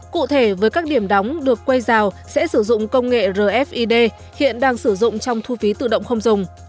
cụ thể với các điểm đóng được quay rào sẽ sử dụng công nghệ rfid hiện đang sử dụng trong thu phí tự động không dùng